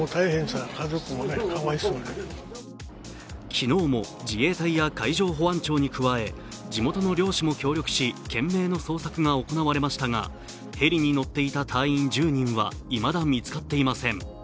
昨日も自衛隊や海上保安庁に加え地元の漁師も協力し懸命の捜索が行われましたが、ヘリに乗っていた隊員１０人はいまだ見つかっていません。